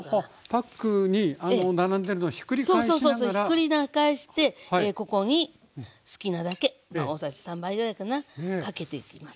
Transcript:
ひっくり返してここに好きなだけ大さじ３杯ぐらいかなかけていきますね。